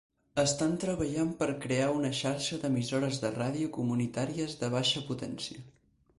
Estan treballant per crear una xarxa d'emissores de ràdio comunitàries de baixa potència.